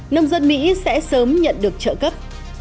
nông dân mỹ sẽ sớm nhận được trợ cấp